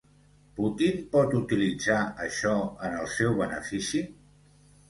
Putin pot utilitzar això en el seu benefici?